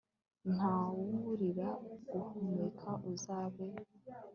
ntawuririra guhumeka uzabaze